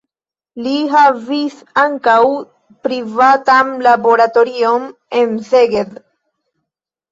Li havis ankaŭ privatan laboratorion en Szeged.